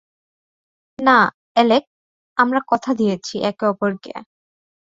না, অ্যালেক আমরা কথা দিয়েছি একে-অপরকে।